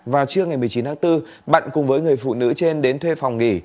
vào trưa ngày một mươi chín tháng bốn bận cùng với người phụ nữ trên đến thuê phòng nghỉ